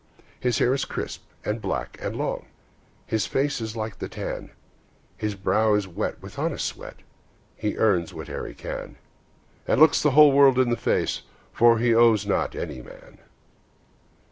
His hair is crisp, and black and long, His face is like the tan; His brow is wet with honest sweat, He earns whate'er he can, And looks the whole world in the face, For he owes not any man.